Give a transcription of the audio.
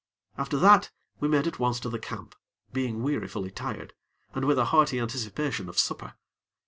After that, we made at once to the camp, being wearifully tired, and with a hearty anticipation of supper.